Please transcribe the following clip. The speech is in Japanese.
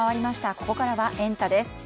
ここからはエンタ！です。